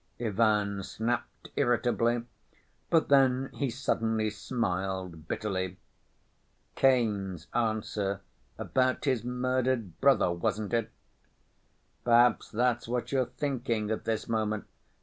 Ivan snapped irritably, but then he suddenly smiled bitterly. "Cain's answer about his murdered brother, wasn't it? Perhaps that's what you're thinking at this moment?